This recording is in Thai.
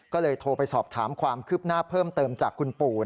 ก็เลยโทรไปสอบถามความคืบหน้าเพิ่มเติมจากคุณปู่